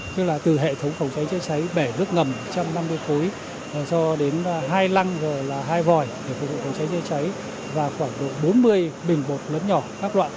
tức là từ hệ thống phòng cháy chữa cháy bể nước ngầm một trăm năm mươi cúi do đến hai lăng hai vòi để phục vụ phòng cháy chữa cháy và khoảng độ bốn mươi bình bột lớn nhỏ các loạn